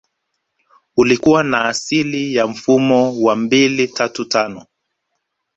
Ulikua na asili ya mfumo wa mbili tatu tano